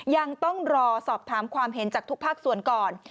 ยังต้องรอสอบถามความเห็นจากทุกภาคส่วนก่อน